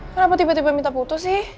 kenapa tiba tiba minta putus sih